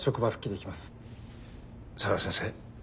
相良先生